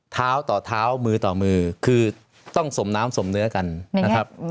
เท้าต่อเท้ามือต่อมือคือต้องสมน้ำสมเนื้อกันนะครับ